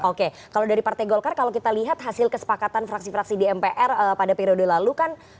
oke kalau dari partai golkar kalau kita lihat hasil kesepakatan fraksi fraksi di mpr pada periode lalu kan